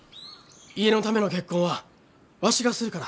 家のための結婚はわしがするから。